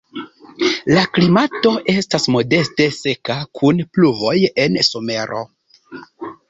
La klimato estas modeste seka kun pluvoj en somero.